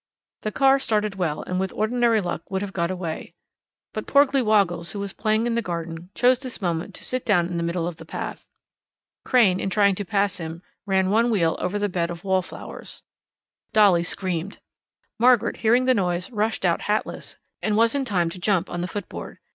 The car started well, and with ordinary luck would have got away. But Porgly woggles, who was playing in the garden, chose this moment to sit down in the middle of the path. Crane, in trying to pass him, ran one wheel over a bed of wallflowers. Dolly screamed. Margaret, hearing the noise, rushed out hatless, and was in time to jump on the footboard.